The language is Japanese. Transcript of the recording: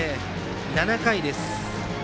７回です。